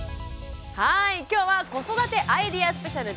今日は「子育てアイデアスペシャル！」